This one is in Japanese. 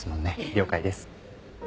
了解です。